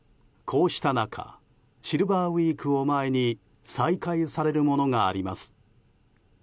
こうした中シルバーウィークを前に再開されるものがあります。